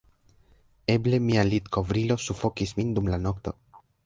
Eble mia litkovrilo sufokis min dum la nokto...